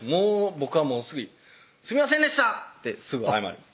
僕はすぐに「すいませんでした！」ってすぐ謝るんです